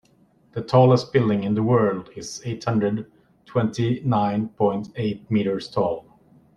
The tallest building in the world is eight hundred twenty nine point eight meters tall.